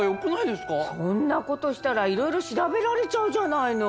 そんな事したらいろいろ調べられちゃうじゃないの。